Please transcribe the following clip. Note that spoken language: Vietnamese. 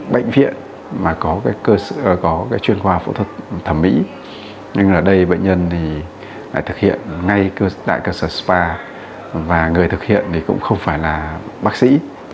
bệnh viện có chuyên khoa phẫu thuật thẩm mỹ nhưng ở đây bệnh nhân thực hiện ngay tại cơ sở spa và người thực hiện cũng không phải là bác sĩ